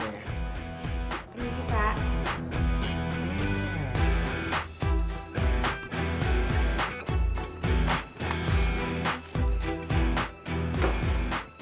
terima kasih kak